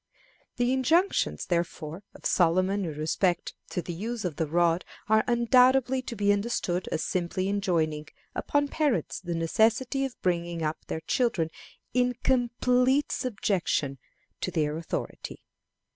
The injunctions, therefore, of Solomon in respect to the use of the rod are undoubtedly to be understood as simply enjoining upon parents the necessity of bringing up their children in complete subjection to their authority.